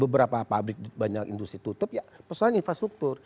beberapa pabrik di banyak industri tutup ya persoalan infrastruktur